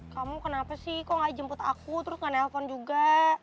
kamu kenapa sih kok gak jemput aku terus gak nelpon juga